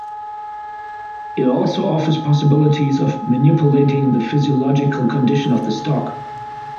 It also offers possibilities of manipulating the physiological condition of the stock.